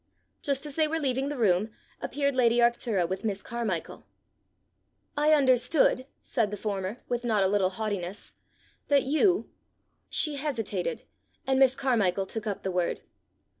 Just as they were leaving the room, appeared lady Arctura with Miss Carmichael. "I understood," said the former, with not a little haughtiness, "that you " She hesitated, and Miss Carmichael took up the word.